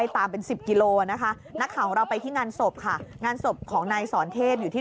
ตามเป็นสิบกิโลนะคะนักข่าวของเราไปที่งานศพค่ะงานศพของนายสอนเทพอยู่ที่